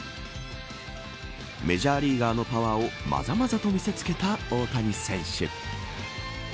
メジャーリーガーのパワーをまざまざと見せつけた大谷選手。